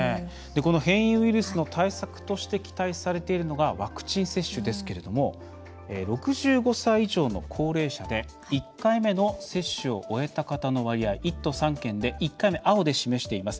変異ウイルスの対策として期待されているのがワクチン接種ですけれども６５歳以上の高齢者で１回目の接種を終えた方の割合、１都３県で１回目、青で示しています。